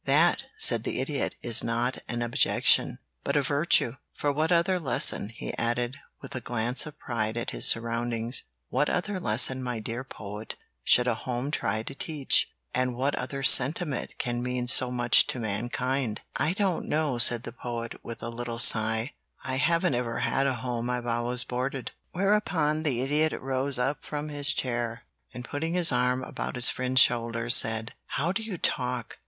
"That," said the Idiot, "is not an objection, but a virtue; for what other lesson," he added, with a glance of pride at his surroundings, "what other lesson, my dear Poet, should a home try to teach, and what other sentiment can mean so much to mankind?" [Illustration: "'I HAVEN'T EVER HAD A HOME; I'VE ALWAYS BOARDED'"] "I don't know," said the Poet, with a little sigh. "I haven't ever had a home; I've always boarded." Whereupon the Idiot rose up from his chair, and putting his arm about his friend's shoulder, said: "How you do talk!